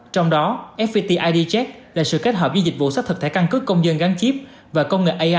trong đó fpt id check là sự kết hợp với dịch vụ xác thực thẻ căn cước công dân gắn chip và công nghệ ai